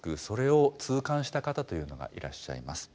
それを痛感した方というのがいらっしゃいます。